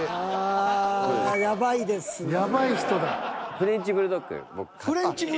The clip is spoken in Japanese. フレンチブルドッグ？